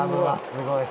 すごい。